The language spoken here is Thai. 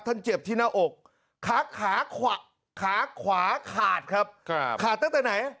เจ็บที่หน้าอกขาขาขวักขาขวาขาดครับขาดตั้งแต่ไหน